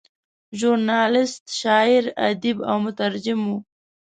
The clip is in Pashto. ژورنالیسټ، شاعر، ادیب او مترجم و.